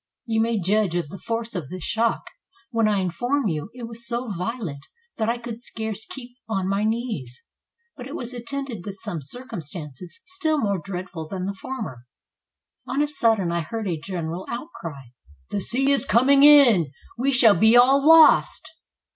620 THE EARTHQUAKE AT LISBON You may judge of the force of this shock, when I inform you it was so violent that I could scarce keep on my knees; but it was attended with some circumstances still more dreadful than the former. On a sudden I heard a general outcry, "The sea is coming in, we shall be all lost."